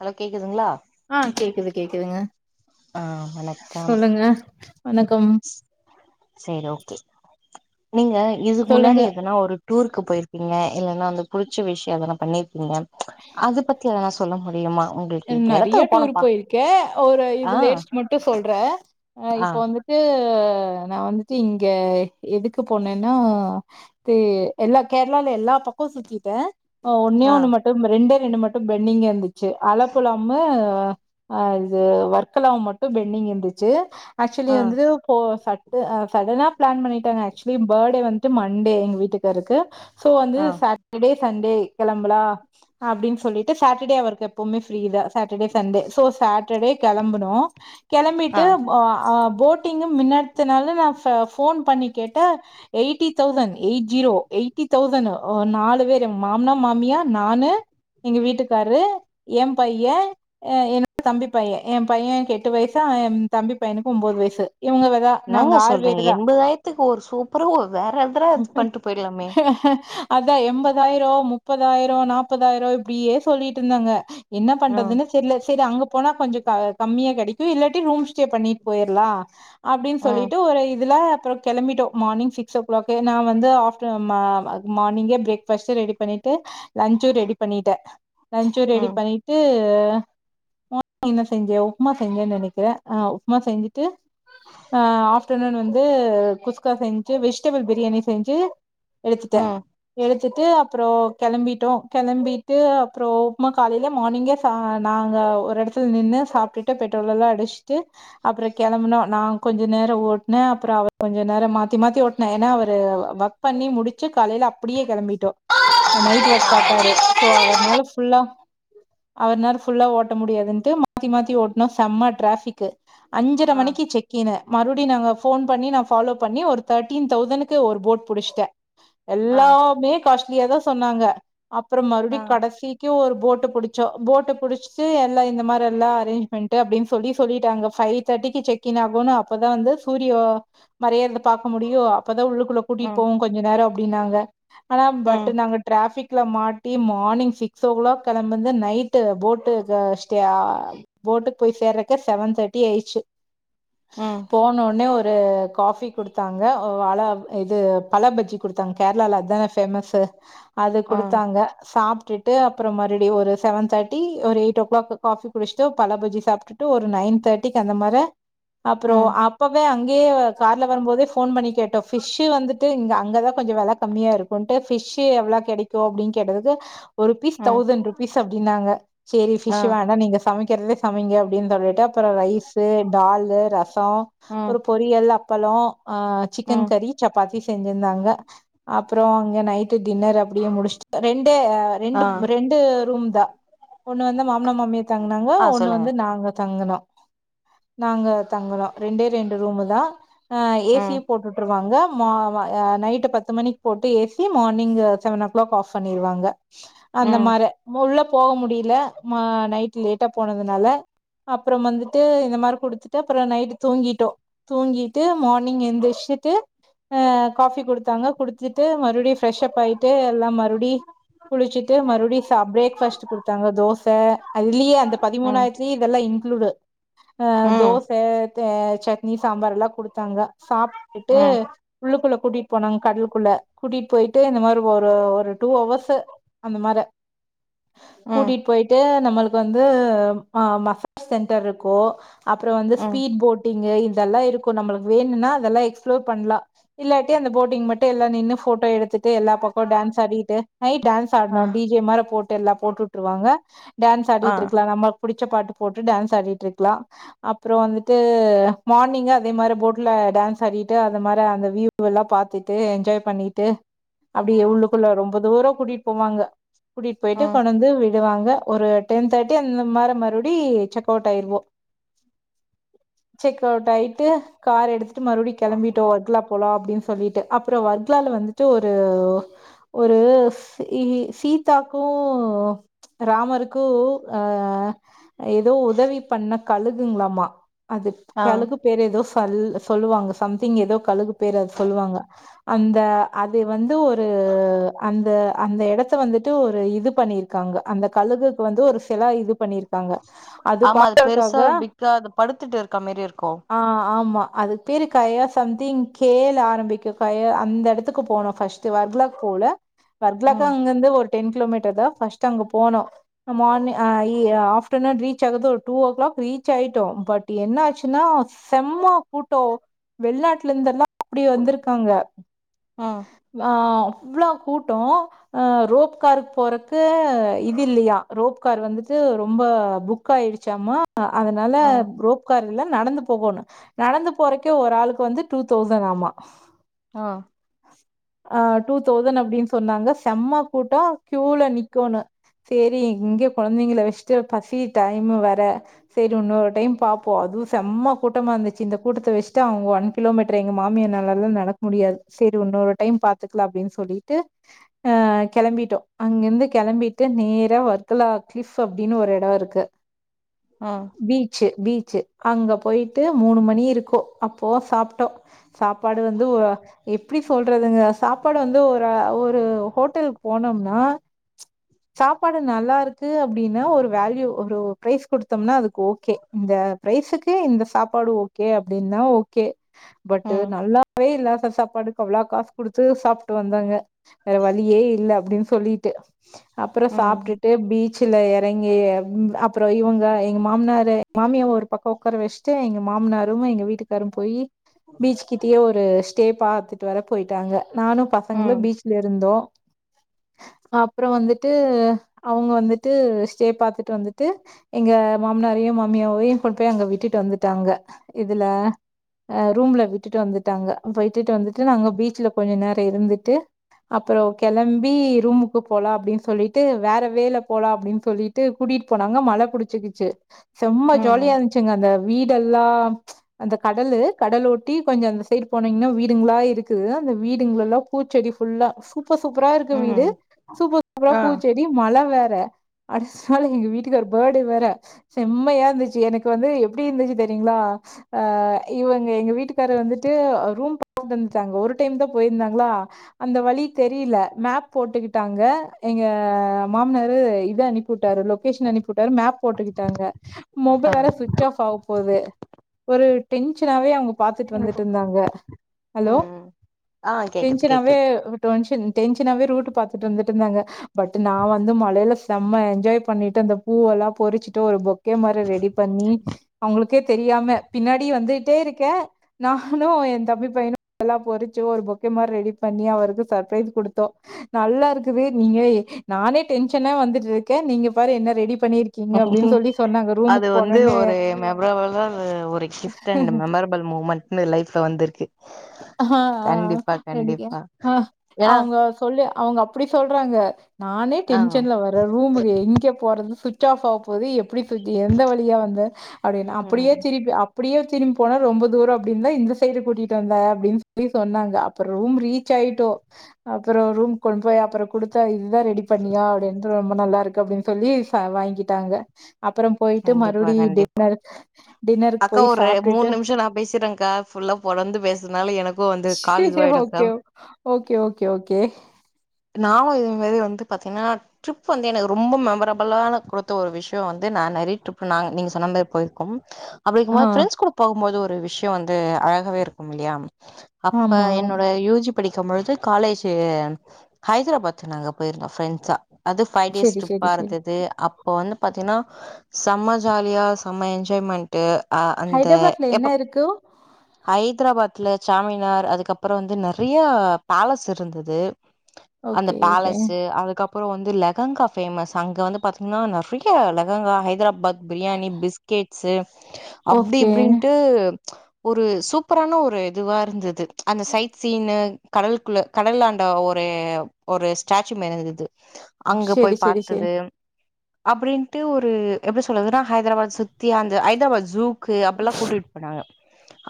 hello கேக்குதுங்களா ஆ கேக்குது கேக்குதுங்க ஆ வணக்கம் சொல்லுங்க வணக்கம் சேரி ஓகே நீங்க இதுக் முன்னாடி சொல்லுங்க எதனா ஒரு டூருக்கு போயிருப்பீங்க இல்லனா அந்த புடிச்ச விஷயம் அதல்லா பண்ணிருப்பீங்க அத பத்தி எதனா சொல்ல முடியுமா உங்களுக் இந்த எடத்துக்கு போனப்பா கே ஒரு இது ஆ லேட்ஸ் மட்டு சொல்றே ஆ இப்போ வந்துட்டு நா வந்துட்டு இங்க எதுக்கு போனேன்னா தி எல்லா கேரளால்லா எல்லா பக்கோ சுத்திட்டே அ ஒன்னே ஆ ஒண்ணு மட்டு ரெண்டே ரெண்டு மட்டு பென்டிங் இருந்துச்சு அலப்புலாமும் அ இது வர்க்கலாவ் மட்டு பென்டிங் இருந்துச்சு ஆக்சுலி ஆ வந்து போ சட்டு அ சடனா பிளான் பண்ணிட்டாங்க ஆக்சுலி பாடே வந்ட்டு மண்டே எங்க வீட்டுக்காருக்கு சோ வந்து ஆ சாட்டர்டே சண்டே கிளம்பலா அப்டின்னு சொல்லிட்டு சாட்டர்டே அவர்க்கு எப்பவுமே ஃப்ரீதான் சாட்டர்டே சண்டே சோ சாட்டர்டே கெளம்பனோ கெளம்பிட்டு ஆ போ அ போட்டிங்கு மின்னார்த்துனாளு நா ச ஃபோன் பண்ணி கேட்டே eighty thousand eight zero eighty thousand அ நாலு பேரு மாம்னா மாமியா நானு எங்க வீட்டுக்காரு எம் பையன் ஏ என்னோட் தம்பி பையன் என் பையன்க்கு எட்டு வயசு என் தம்பி பையனுக்கு ஒம்போது வயசு இவங்கதா நாங்க னாங்க ஆறு சொல்றீங்க பேருதா எண்பதாயிரத்துக்கு ஒரு சூப்ரு ஒர் வேற எட்த்ல பண்ட்டு போயிட்லாமே அதா எம்பதாயிரம் முப்பதாயிரம் நாப்பதாயிரம் இப்டியே சொல்லிட்டு இருந்தாங்க என்ன ம் பண்றதுன்னு தெர்ல சரி அங்க போனா கொஞ்சோ க கம்மியா கொடைக்கும் இல்லாட்டி ரூம் ஸ்டே பண்ணிட் போயிர்லா அப்டின் ம் சொல்லிட்டு ஒரு இதுல அப்புறம் கொளம்பிட்டோ மார்னிங் சிக்ஸ் ஓ கிளாக்கே நா வந்து ஆஃப்டர் மா மார்னிங்கே பிரேக் பாஸ்ட் ரெடி பண்ணிட்டு லன்ச்சூ ரெடி பண்ணிட்டே லன்ச்சூ ரெடி ம் பண்ணிட்டு என்ன செஞ்சே உப்மா செஞ்சேன்னு நெனக்கிறே ஆ உப்மா செஞ்சுட்டு அ ஆஃப்டர்நூன் வந்து குஸ்கா செஞ்சு வெஜிடபிள் பிரியாணி செஞ்சு எடுத்துட்ட ம் எடுத்துட்டு அப்றோ கிளம்பிட்டோ கிளம்பிட்டு அப்றோ ப்மா காலைல மானிங்கே ச நாங்க ஒரு இடத்துல நின்னு சாப்டுட்டு பெட்ரோல் எல்லா அடிச்சிட்டு அப்புற கிளம்புனோ நா கொஞ்ச நேர ஓட்னே அப்புற அவர் கொஞ்ச நேர மாத்தி மாத்தி ஓட் ன ஏனா அவரு ஒர்க் பண்ணி முடிச்சு காலைல அப்டியே கிளம்பிட்டோ நைட் ஒர்க் பாத்தாரு சோ அவருனால ஃபுல்லா அவர்னால ஃபுல்லா ஓட்ட முடியாதுன்டு மாத்தி மாத்தி ஓட்னோ செம்ம டிராஃபிக் அஞ்சரை ஆ மணிக்கு செக் கினு மறுவுடி நாங்க போன் பண்ணி நா ஃபாலோ பண்ணி ஒரு தேர்ட்டீன் தௌசணுக்கு ஒரு போட் புடிச்சிட்ட ஆ எல்லாவுமே காஸ்ட்லியா தா சொன்னாங்க அப்றம் ஆ மறுபடியு கடைசிக்கு ஒரு போட்டு புடிச்சோ போட்ட புடிச்சுட்டு எல்ல இந்த மாதிரி எல்லா அரேஞ்ச்மெண்ட் அப்டினு சொல்லி சொல்லிட்டாங்க ஃபை தேர்ட்டிக்கு செக் இன் ஆகணு அப்பதா வந்து சூரிய மறையறத பாக்க முடியு அப்பதா உள்ளுக்குள்ள கூட்டிட் ம் போவோ கொஞ்ச நேர அப்டினாங்க ஆனா பட் ம் நாங்க ட்ராஃபிக்ல மாட் டி மானிங் சிக்ஸ் ஓ கிளாக் கெளம் வந்து நைட்டு போட்டு க ஷ போட்டுக் போய் சேர்றக்கே செவன் தெர்ட்டி ஆயிடுச்சு ம் போன உடனே ஒரு காஃபி குடுத்தாங்க அழ இது பழ பஜ்ஜி கொடுத் தாங் கேரளால அதான ஃபேமஸு அது ம் குடுத்தாங்க சாப்ட்டுட்டு அப்புறமா ரெடி ஒரு செவன் தேர்ட்டி ஒரு எயிட் ஓ கிளாக் காஃபி குடிச்ட்டு பழ பஜ்ஜி சாப்ட்டுட்டு ஒரு நைன் தேர்டி திக்கு அந்த மார அப்புற ம் அப்பவே அங்கேயே கார்ல வரும்போதே போன் பண்ணி கேட்டோ ஃபிஷ்ஷூ வந்துட்டு இங்க அங்கதா கொஞ்ச வெல கம்மியா இருக்குனுட்டு பிஷ்ஷு எவ்ளோ கிடைக்கு அப்டினு கேட்டதுக்கு ஒரு பி ம் தௌசண்ட் ருபீஸ் அப்டினாங்க சேரி ஆ பிஷ் வேணா நீங்க சமைக்கிறதே சமைங்க அப்டின் சொல்லி த அப்புற ரைஸ்ஸு டாலு ரசோ ம் ஒரு பொரியல் அப்பள அ சிக்கன் ம் கறி சப்பாத்தி செஞ்சிருந்தாங்க அப்புற அங்க நைட்டு டின்னர் அப்டியே முடிச்ட்டு ரெண்டு ஆ ரெண்டு ரெண்டு ரூம் தா ஒண்ணு வந்து மாமனா மாமியா தங்குனாங்க ஆ ஒண்ணு சொல்லுங்க வந்து நாங்க தங்குனோ நாங்க தங்கனோ ரெண்டே ரெண்டு ரூமு தா அ ஏசி ம் போட்டு ருவாங்க மா வ அ நைட்டு பத்து மணிக் போட்டு ஏசி மானிங் செவன் ஓ கிளாக் ஆஃப் பண்ணிருவாங்க அந்த ம் மார உள்ள போக முடியில ம நைட் லேட்டா போனதுனால அப்புறம் வந்துட்டு இந்த மார குடுத்துட்டு அப்புற நைட்டு தூங்கிட்டோ தூங்கிட்டு மானிங் எந்திரிச்சுட்டு அ காஃபி குடுத்தாங்க குடுத்துட்டு மறுவுடியு ஃப்ரெஷ் அப் ஆயிட்டு எல்லா மறுவுடி குளிச்சிட்டு மறுவுடி ச பிரேக்ஃபாஸ்ட் குடுத்தாங்க தோச அதுலயே அந்த ம் பதிமூணாயிரத்து தி இதெல்லா இன்க்ளூடு அ ம் தோச சட்னி சாம்பார்லா குடுத்தாங்க சாப்டுட்டு ம் உள்ளுக்குள்ள கூட்டிட் போனாங் கடலுக்குள்ள கூட்டிட் போயிட்டு இந்த மாதிரி ஒரு ஒரு டூ ஹவர்ஸு அந்த மார ம் கூட்டிட் போயி து நம்மளுக்கு வந்து ஆ மசாஜ் சென்டர் இருக்கு அப்புற வந்து ம் ஸ்பீட் போட் இங்க இதெல்லா இருக்கு நம்மளுக்கு வேணுன்னா அதெல்லா எக்ஸ்பிளோர் பண்லாம் இல்லாட்டி அந்த போட்டிங் மட்டு எல்லா நின்னு ஃபோட்டோ எடுத்துட்டு எல்லா பக்க டான்ஸ் ஆடிட்டு நை டான்ஸ் ஆ ஆட்னோ டிஜே மார போட்டு எல்லா போட்டுவுட்டுருவாங்க டான்ஸ் ஆ ஆடிட்டுருக்கலா நம்ம புடிச்ச பாட்டு போட்டு டான்ஸ் ஆடிட்டுருக்கலா அப்புற வந்துட்டு மானிங் அதே மார போட்ல டான்ஸ் ஆடிட்டு அத மார அந்த வியூ இவெல்லா பாத்துட்டு என்ஜாய் பண்ணிட்டு அப்டியே உள்ளுக்குள்ள ரொம்ப தூரோ கூட்டி போவாங்க கூட்டிட்டு போயிட்டு ம் கொண்டுந்து விடுவாங்க ஒரு டென் தேர்ட்டி அந்த மாற மறுவுடி செக் அவுட் ஆயிருவோ செக்அவுட் ஆயிட்டு கார் எடுத்துட்டு மறுபடியு கிளம்பிட்டோ வர்க்லா போலா அப்டின்னு சொல்லிட்டு அப்ரோ வர்க்லால வந்துட்டு ஒரு ஒரு ஸ் த்து இ சீதாக்கு ராமருக்கு ஆ ஏதோ உதவி பண்ண கழுகுங்ளாமா அது ஆ கழுகு பேரு ஏதோ சல் சொல்லுவாங்க சம்திங் ஏதோ கழுகு பேர் அது சொல்லுவாங்க அந்த அது வந்து ஒரு அந்த அந்த இடத்த வந்துட்டு ஒரு இது பண்ணிருக்காங்க அந்த கழுகுக்கு வந்து ஒரு செல இது பண்ணிர்க் ஆமா அது பெருசா பிக்கா அத படுத்துட்டு இருக்க மாரிருக்கு ஆ ஆமா அதுக்கு பேர் கயா சம்திங் கே ள ஆரம்பிக்கு கயா அந்த எடத்துக்கு போனோ ஃபஸ் ட்டு வர்கலா போல வர்கலாக்கு ம் அங்கிருந்து ஒரு டென் கிலோமீட்டர் தா ஃபர்ஸ்ட் அங்க போனோ மார்னிங் அ இ ஆ ஆப்டர்நூன் ரீச் ஆகுது ஒரு டூ ஓ கிளாக் ரீச் ஆயிட்டோ பட் என்ன ஆச்சுன்னா செம்மா கூட்டோ வெள்நாட்ல இருந்தெல்லா அப்டி வந்த்ருக்காங்க ஆ லா அவ்ளோ கூட்டோ ஆ ரோப்கார் போறக்கு இது இல்லையா ரோப்கார் வந்துட்டு ரொம்ப புக் புக்காயிடுச்சாமா அதுனால ம் ரோப் உக்காரு இல்ல நடந்து போகணு நடந்து போறக்கே ஒரு ஆளுக்கு வந்து டூ தௌசன் ஆமா ஆ அ டூ தௌசன் அப்டின் சொன்னாங்க செம்ம கூட்டோ கியூல நிக்கணோ சேரி இங்க குழந்தைங்கள வச்சிட்டு பசி டைமு வேற சேரி இன்னொரு டைம் பாப்போ அதுவு செம்ம கூட்டமா இருந்துச்சி இந்த கூட்டத்த வச்சிட்டு அவ்ங்க ஒன் கிலோமீட்டர் எங்க மாமியார்னாலல்லா நடக்க முடியாது சேரி உன்னோரு டைம் பாத்துக்கிலா அப்டின்னு சொல்லிட்டு அ கிளம்பிட்டோ அங்கிருந்து கிளம்பிட்டு நேரா வர்க்கலா கிளிஃப் அப்டின்னு ஒரு எடோ இருக்கு ஆ பீச்சு பீச்சு அங்க போயிட்டு மூணு மணி இருக்கு அப்போவா சாப்டோ சாப்பாடு வந்து உஅ எப்டி சொல்றதுங்க சாப்பாடு வந்து ஒரு ஒரு ஹோட்டல் போனோம்னா சாப்பாடு நல்லா இருக்கு அப்டின்னா ஒரு வேல்யூ ஒரு ப்ரைஸ் குடுத்தோம்னா அதுக்கு ஓகே இந்த ப்ரைஸ்சுக்கு இந்த சாப்பாடு ஓகே அப்டின்னா ஓ கே பட் ம் நல்லாவே இல்லாத சாப்பாடுக்கு அவ்ளா காசு குடுத்து சாப்ட்டு வந்தாங்க வேற வழியே இல்ல அப்டின்னு சொல்லிட்டு அப்றோ ம் சாப்ட்டுட்டு பீ ச்சில இறங்கி ம் அப்றோ இவுங்க எங்க மாமனாரு மாமியா ஒரு பக்கோ உக்கார வச் சுட்டு எங்க மாமனாருமே எங்க வீட்டுக்காரு போய் பீச் கிட்டயே ஒரு ஸ்டே பாத் துட்டு வர போயிட்டாங்க நானு பசங்களு ம் பீச்ல இருந்தோ அப்றோ வந்துட்டு அவுங்க வந்துட்டு ஸ்டே பாத்துட்டு வந்துட்டு எங்க மாமனாரையு மாமியாவையு கொண்டு பேய் அங்க விட்டுட்டு வந்துட்டாங்க இதுல அ ரூம்ல விட்டுட்டு வந்துட்டாங்க போய்ட்டு ட்டு வந்துட்டு நாங்க பீச்சல கொஞ்ச நேரோ இருந்துட்டு அப்புறோ கெளம்பி ரூமுக்கு போலா அப்டின் சொல்லிட்டு வேற வேல போலாப் அப்டின் சொல்லிட் டு கூட்டிட்டு போனாங்க மழ புடிச்சுகிச்சு செம்ம ஜாலியா ம் இருந்துசிங்க அந்த வீடெல்லாம் அந்தக் கடலு கடல ஓட்டி கொஞ்ச அந்த சைடு போனிங்ன்னா வீடுங்களா இரு இருக்குது அந்த வீடுங்கல்லா பூச்செடி ஃபுல்லா சோ இப்ப சூப்பரா இருக்கு வீடு ம் சூப்ப சூப்பரா ஆ பூச்செடி மழ வேற அடுத்தநாள் எங்க வீட்டுக்கார் பேர்டே வேற செம்மையா இருந்துச்சு எனக்கு வந்து எப்டி இருந்துச்சு தெரியங்களா அ இவங்க எங்க வீட்டுக்கார் வந்துட்டு ரூம் [unintelligible] அங்க ஒரு டைம் தா போயிருந்தாங்களா அந்த வலி தெரில மேப் போட்டுகிட்டாங்க எங்க மாம்னாரு இத அனிப்புட்டாரு லொக் லொகேஸ்ன் அனுப்புட்டாரு மேப் போட்டுக்கிட்டாங்க ஆ மொபைல் வேற ஸ்விட்ச் ஆஃப் ஆக போது ஒரு டென்ஷனாவே அவங்க பாத்துட்டுஇருதுட்டு இருந்தாங்க அலோ ம் ஆ கேக்குது டென்ஷனாவே கேக்குது டொன்ஷன் டென்ஷனாவே ரூட் பாத்துட்டுஇருதுட்டு இருந்தாங்க பட் நா வந்து மலைல செம்ம என்ஜாய் பண்ணிட்டு அந்த பூவெல்லா பொறிச்சுட்டு ஒரு பொக் கே மாரி ரெடிப் பண்ணி அவுங்குளுக் கே தெரியாம பின்னாடி வந்துட்டே இருக்க நானு என் தம்பி பையனு ல்லா பொறிச்சு ஒரு பொக்கே மாரி ரெடி பண்ணி அவருக்கு சர்ப்ரைஸ் குடுத்தோ நல்லா இருக்குது நீங்க எ நானே டென்ஷனா வந்துட்டு இருக்க நீங்க பாரு என்ன ரெடி பண்ணிற்க் அது வந்து ஒரு மெம்ரப்லா ஒரு கிப்ட் அண்ட் மெமர் பல் மூமண்ட் லைஃப்ல வந்திருக்கு அ ஹா ஆ ஆ கண்டிப்பா எடிக்கே கண்டிப்பா ஆ ஏன்னா அவுங்க சொல்லு அவுங்க அப்டி சொல்றாங்க நானே ஆ டென்ஷன்ல வர் ர ரூமுக்கு எங்கே போறது சுவிட்ச்சாஃப் ஆவபோது எப்டி சுத்தி எந்த வழியா வந்த அப்டின்னா அப்டியே ம் திருப்பி அப்டியே திரும்பி போனா ரொம்ப தூரோ அப்டின் தா இந்த சைடு கூட்டிட் டுவந்த அப்டின்னு சொல்லி சொன்னாங்க அப்ப ரூம் ரீச் ஆயிட்டோ அப்பரோ ரூம் கொண்டு போய் அப்பரோ குடுத்தாயின் தா ரெடி பண்ணியாவது வந்து ரொம்ப நல்லாருக்கு அப்டின் சொல்லி சார் வாங்கிட்டாங்க அப்ரோ போயிட்டு கண்டிப்பா மறுபடி கண்டிப்பா டின்னர் டின்னருக்கு போய் சாப்டுட்டு கொஞ்ச நா பேசிற்றன்கா ஃபுல்லா பொலந்து பேசுனாலு எனக் சேரி ஓகே ஓகே ஓகே ஓகே நானு இது மாரி வந்து பாத்தீங்னா ட்ரிப் வந்து எனக்கு ரொம்ப மெமரபுளா வந்து குடுத்த ஒரு விஷ்யோ வந்து நா நெறைய ட்ரிப் நாங் நீங்க சொன்ன மாரி போய் கும் அப்டீங்கும்போது ஆ பிரெண்ட்ஸ் கூட போகும்போது ஒரு விஷ்யோ வந்து அழகாவே இருக்கு மில்லையா அப்ப ஆமா என்னோட யூ ஜி படிக்கு பொழுது காலேஜ்ஜி ஹைதராபாத் நாங்க போயிருந்தோ ஃப்ரெண்ஸா அது ஃபைவ் டேஸ் செரி ட்ரிப்பா செரி செரி இருந்தது அப் இப்போ வந்து பாத்தீங்னா செம்ம ஜாலியா செம்ம என்ஜாய்மெண்ட் டு அ அந்த ஹைதராபாத்ல என்ன எபக் இருக்கு ஹைதராபாத்ல சாமினார் அதுக்கப்றோ வந்து நெறைய பேலஸ் இருந்தது அந்த ஓகே ஓகே பேலஸ்ஸு அதுக்கப் அப்றோ வந்து லகங்கா ஃபேமஸ் அங்க வந்து பாத்தீங்னா நெறைய லகங்கா ஹைதராபாத் பிரியாணி பிஸ்கெட்ஸ்ஸு அப்டி ஓகே இப்டின்ட்டு ஒரு சூப்பரான ஒரு இதுவா இருந்தது அந்த சைட் சீனு கடலுக்குள்ள கடல் ஆண்ட ஒரு ஒரு ஸ்டாச்சூ மாரி இருந்து அங்க செரி போய் செரி செரி பாத்தது அப்டின்டு ஒரு எப்டி சொல்றதுன்னா ஹைதராபாத் சுத்தி அந்த ஹைதராபாத் ஜூக்கு அப்டில்லா கூட்டிட்டு போனாங்க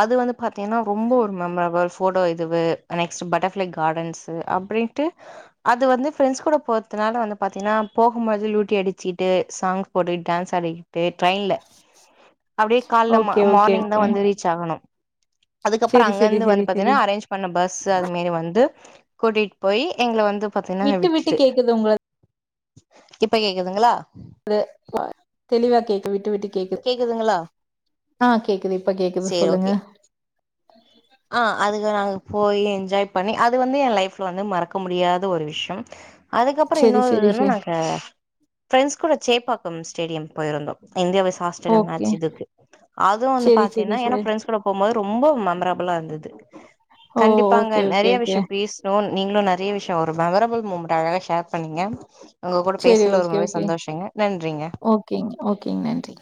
அது வந்து பாத்தீங்ன்னா ரொம்ப ஒரு மெமரபுல்ஸ் ஃபோடோ இதுவு நெக்ஸ்ட்டு பட்டர்ஃப்ளை கார்டன்ஸு அப்டின்ட்டு அது வந்து ஃப்ரெண்ட்ஸ் கூட போற்த்துனால வந்து பாத்தீங்ன்னா போகும்போது லூட்டி அடிச்சிட்டு சாங்ஸ் போட்டு டான்ஸ் ஆடி டு ட்ரெய்ன்ல அப்டியே கால்ல ம ஓகே ஓகே மார்னிங் தான் ஓகே வந்து ரீச் ஆகணும் அதுக்கப்ற செரி செரி அங்கந்து வந்து செரி செரி பாத்தீங்ன்னா அரேஞ்ச் பண்ண பஸ்ஸு அது மேரி வந்து கூட்டிட்டு போய் எங்கள வந்து பாத்தீங்ன்னா விட்டு விட்டு விட்டுட்டு கேக்குது உங்களது இப்ப கேக்குதுங்களா அது வ தெளிவா கேக்க விட்டு விட்டு கேக்குது கேக்குதுங்களா அ கேக்குது இப்ப கேக்குது சொல்லுங்க அ அதுக்கு நாங்க போய் என்ஜாய் பண்ணி அது வந்து என் லைஃப்ல வந்து மறக்க முடியாத ஒரு விஷயம் அதுக்கப்பறம் செரி இன்னொரு செரி இதுன்னா செரி நாங்க பிரெண்டஸ் கூட சேப்பாக்கம் ஸ்டேடியம் போயிருந்தோம் இந்தியாவ ஆஸ்திரேலியா ஓகே மேட்ச இதுக்கு அது வந்து செரி செரி பாத்தீங்கன்னா ஏனா செரி பிரண்டஸ் கூட போகும்போது ரொம்ப மெமரபல் [unintelligible] இருந்தது ஓ கண்டிப்பாங்க ஓகே ஓகே நெறைய ஓகே விஷயம் பேசு [unintelligible] நீங்களும் நெறைய விஷயம் ஒரு மெமரபுள் மூமெண்ட் அழகாக ஷேர் பண்ணீங்க உங்க கூட செரி பேசல ஓகே ரொம்பவே ஓகே சந்தோஷங்க நன்றிங்க ஓகேங்க ஓகேங்க நன்றி